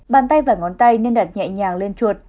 bàn tay và ngón tay nên đặt nhẹ nhàng lên chuột